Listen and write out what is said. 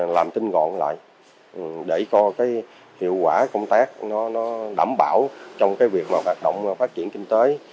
làm tinh gọn lại để coi cái hiệu quả công tác nó đảm bảo trong cái việc mà hoạt động phát triển kinh tế